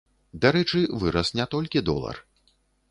Дарэчы, вырас не толькі долар.